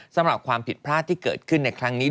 สำหรับความผิดพลาดที่เกิดขึ้นในครั้งนี้